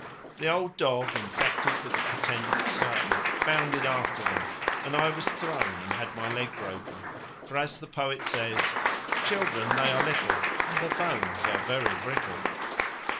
The old dog, infected with the pretended excitement, bounded after them, and I was thrown and had my leg broken, for, as the poet says Children, they are very little, And their bones are very brittle.